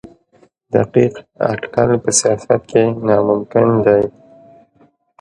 دقيق اټکل په سياست کي ناممکن دی.